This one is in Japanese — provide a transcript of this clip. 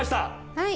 はい。